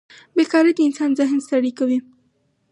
بېکارۍ د انسان ذهن ستړی کوي.